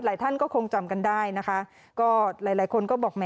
หลายท่านก็คงจำกันได้นะคะก็หลายคนก็บอก